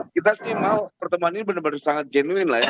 kita sih mau pertemuan ini benar benar sangat genuin lah ya